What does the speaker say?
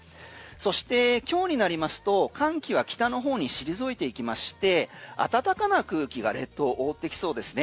そして今日になりますと寒気は北の方に退いていきまして暖かな空気が列島覆ってきそうですね。